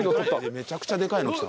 めちゃくちゃでかいの来た。